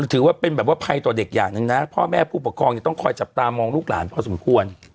ถือว่าเป็นแบบว่าภัยต่อเด็กอย่างหนึ่งนะพ่อแม่ผู้ปกครองยังต้องคอยจับตามองลูกหลานพอสมควร